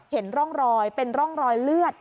เห็นร่องรอยเป็นร่องรอยเลือด